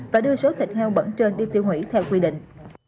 và đưa suất thịt heo bẩn trên đi tiêu hủy theo quy định